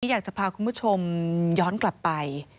อยากจะพาคุณผู้ชมย้อนกลับไป